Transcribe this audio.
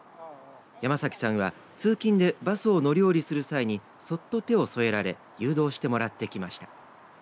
山崎さんは通勤でバスを乗り降りする際にそっと手を添えられ誘導してもらってきました。